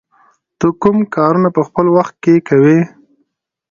ته کوم کارونه په خپل وخت کې کوې؟